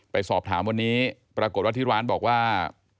ไปสอบถามวันนี้ปรากฏว่าที่ร้านบอกว่า